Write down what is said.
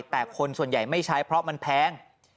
แต่คนส่วนใหญ่ไม่ใช้เพราะมันแพง